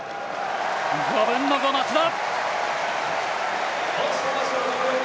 ５分の５、松田！